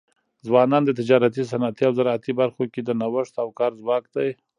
ځوانان د تجارتي، صنعتي او زراعتي برخو کي د نوښت او کار ځواک دی.